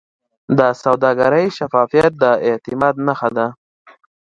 د سوداګرۍ شفافیت د اعتماد نښه ده.